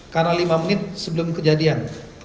karena lima menit sebelum kejadian